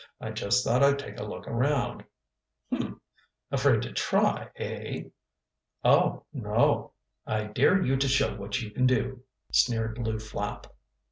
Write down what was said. "I just thought I'd take a look around." "Humph! Afraid to try, eh?" "Oh, no." "I dare you to show what you can do," sneered Lew Flapp.